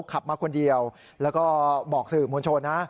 ขับมาคนเดียวแล้วก็บอกสื่อมวลชนนะ